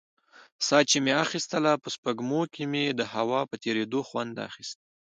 ساه چې مې اخيستله په سپږمو کښې مې د هوا په تېرېدو خوند اخيست.